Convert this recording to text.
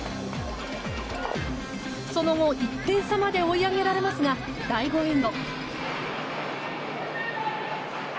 その後、１点差まで追い上げられますが第５エンド。